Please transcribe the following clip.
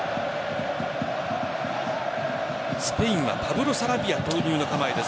スペインはパブロ・サラビア投入の構えです。